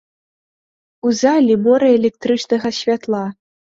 У залі мора электрычнага святла.